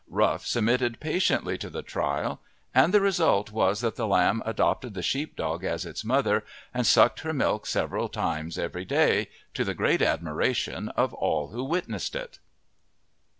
Rough submitted patiently to the trial, and the result was that the lamb adopted the sheep dog as its mother and sucked her milk several times every day, to the great admiration of all who witnessed it.